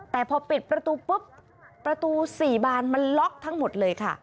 แต่พอปิดประตูปุ๊บประตู๔บานมันล็อกทั้งหมดเลยค่ะ